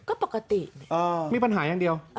ก็ปกติเนี่ยอ๋อมีปัญหาอย่างเดียว